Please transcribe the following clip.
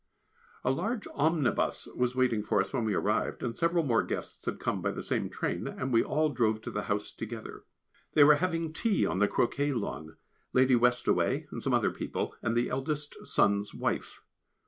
A huge omnibus was waiting for us when we arrived, and several more guests had come by the same train and we all drove to the house together. They were having tea on the croquet lawn Lady Westaway and some other people, and the eldest son's wife.